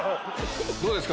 どうですか？